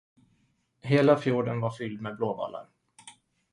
Hela fjorden var fylld med blåvalar.